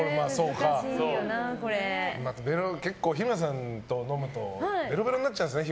結構、日村さんと飲むとべろべろになっちゃうんですよね